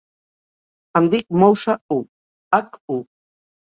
Em dic Moussa Hu: hac, u.